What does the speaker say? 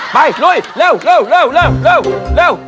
ไปลุยเร็ว